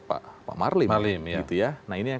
pak marlim nah ini yang